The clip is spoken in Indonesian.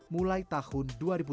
mulai tahun dua ribu tujuh